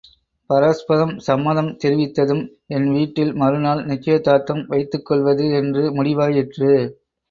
பரஸ்பரம் சம்மதம் தெரிவித்ததும் என் வீட்டில் மறுநாள் நிச்சயதார்த்தம் வைத்துக் கொள்வது என்று முடிவாயிற்று.